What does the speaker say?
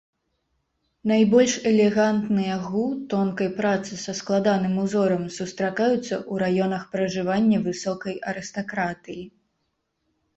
Найбольш элегантныя гу тонкай працы са складаным узорам сустракаюцца ў раёнах пражывання высокай арыстакратыі.